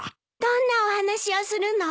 どんなお話をするの？